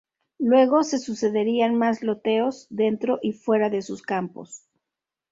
Luego se sucederían mas loteos, dentro y fuera de sus campos.